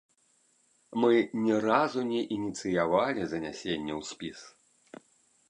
Мы ні разу не ініцыявалі занясенне ў спіс.